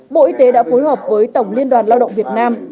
bộ y tế đã phối hợp với tổng liên đoàn lao động việt nam